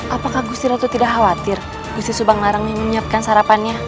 apakah gusti ratu tidak khawatir gusti subanglarang yang menyiapkan sarapannya